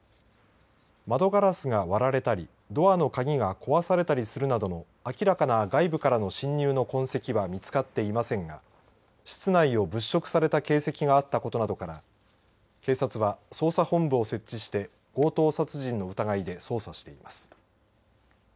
窓ガラスが割られたりドアの鍵が壊されたりするなどの明らかな外部からの侵入の痕跡は見つかっていませんが室内を物色された形跡があったことなどから警察は、捜査本部を設置して強盗殺人の疑いで捜査しています。